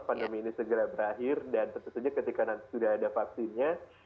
pandemi ini segera berakhir dan tentu saja ketika sudah ada vaksinnya